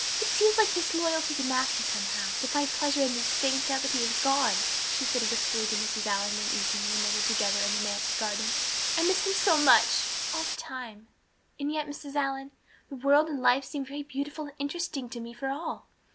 "It seems like disloyalty to Matthew, somehow, to find pleasure in these things now that he has gone," she said wistfully to Mrs. Allan one evening when they were together in the manse garden. "I miss him so much all the time and yet, Mrs. Allan, the world and life seem very beautiful and interesting to me for all.